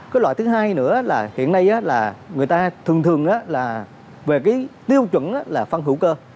cái loại thứ hai nữa là hiện nay là người ta thường thường là về cái tiêu chuẩn là phân hữu cơ